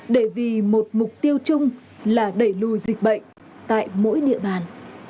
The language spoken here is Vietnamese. để vì một mục tiêu chung là đẩy lùi dịch bệnh tại mỗi địa bàn